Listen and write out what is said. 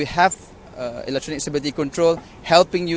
เราอยากแผนการรับรันของความเปลี่ยน